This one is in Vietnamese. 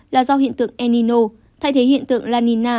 là do hiện tượng enino thay thế hiện tượng lanina